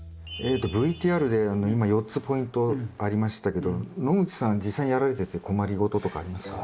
ＶＴＲで今４つポイントありましたけど野口さん実際にやられてて困り事とかありますか？